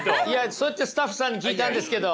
そうやってスタッフさんに聞いたんですけど。